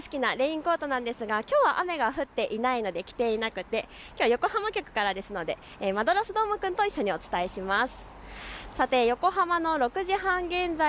ワンとしゅと犬くんも大好きなレインコートですが、きょうは雨が降っていないので着ていなくてきょうは横浜局からなのでマドラスどーもくんとお伝えします。